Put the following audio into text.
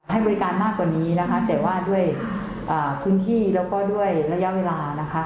ให้บริการมากกว่านี้นะคะแต่ว่าด้วยพื้นที่แล้วก็ด้วยระยะเวลานะคะ